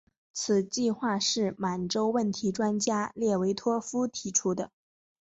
此计划是满洲问题专家列维托夫提出的。